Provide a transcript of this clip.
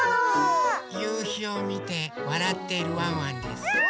ゆうひをみてわらってるワンワンです。